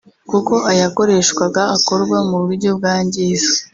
kuko ayakoreshwaga akorwa mu buryo bwangiza